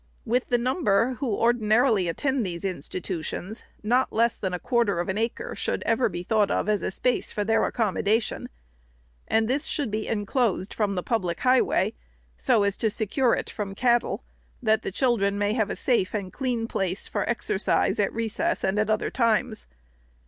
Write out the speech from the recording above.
With the number who ordinarily attend these institutions, not less than a quarter of an acre should ever be thought of as a space for their accommodation ; and this should be enclosed from the public highway, so as to secure it from cattle, that the children may have a safe and clean place 474 REPORT OP THE SECRETARY for exercise at recess and at other times.